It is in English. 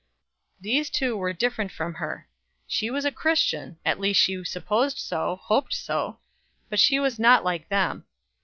These two were different from her She was a Christian at least she supposed so, hoped so; but she was not like them.